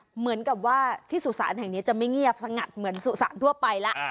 เหมือนกับว่าที่สุสานแห่งนี้จะไม่เงียบสงัดเหมือนสุสานทั่วไปแล้ว